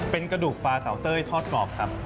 เป็นกระดูกปลาเตาเต้ยทอดกรอบครับ